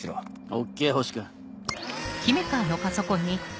ＯＫ星君。